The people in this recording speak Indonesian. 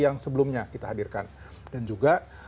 yang sebelumnya kita hadirkan dan juga